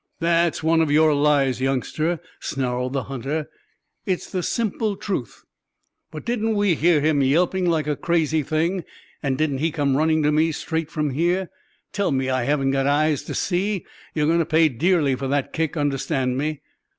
"That's one of your lies, youngster!" snarled the hunter. "It is the simple truth!" "But didn't we hear him yelping like a crazy thing; and didn't he come running to me straight from here? Tell me I haven't got eyes to see? You're going to pay dearly for that kick, understand me!"